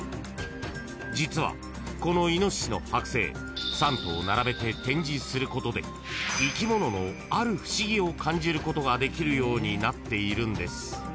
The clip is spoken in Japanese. ［実はこのイノシシの剥製３頭並べて展示することで生き物のある不思議を感じることができるようになっているんです］